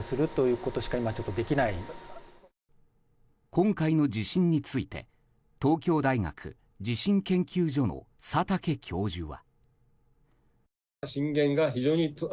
今回の地震について東京大学地震研究所の佐竹教授は。